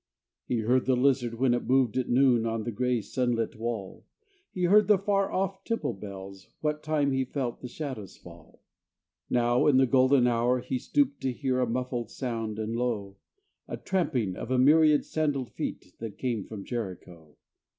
He heard the lizard when it moved at noon On the grey, sunlit wall; He heard the far off temple bells, what time He felt the shadows fall. Now, in the golden hour, he stooped to hear A muffled sound and low, The tramping of a myriad sandalled feet That came from Jericho.